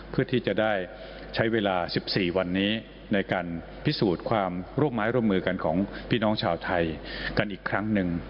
เพื่อที่จะได้ใช้เวลา๑๔วันนี้ในการพิสูจน์ความร่วมไม้ร่วมมือกันของพี่น้องชาวไทยกันอีกครั้งหนึ่ง